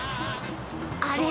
あれ？